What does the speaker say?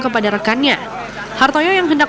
kepada rekannya hartoyo yang hendak